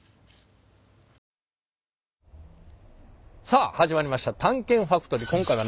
さあ始まりました「探検ファクトリー」。